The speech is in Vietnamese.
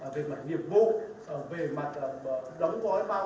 về mặt nhiệm vụ về mặt đóng gói bao bì nhà bán để từng nước các bạn chính thức có thể mở kênh